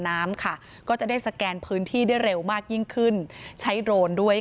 น้ำค่ะก็จะได้สแกนพื้นที่ได้เร็วมากยิ่งขึ้นใช้โดรนด้วย